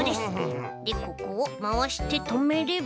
でここをまわしてとめれば。